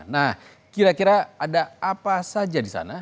nah kira kira ada apa saja di sana